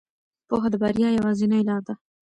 پوهه د بریا یوازینۍ لار ده.